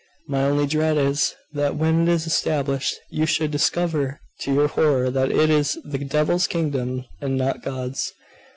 My only dread is, that when it is established, you should discover to your horror that it is the devil's kingdom and not God's.